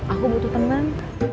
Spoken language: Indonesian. aku butuh teman